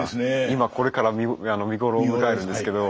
今これから見頃を迎えるんですけど。